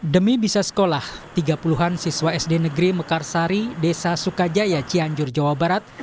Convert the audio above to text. demi bisa sekolah tiga puluh an siswa sd negeri mekarsari desa sukajaya cianjur jawa barat